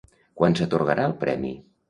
Quan s'atorgarà el premi?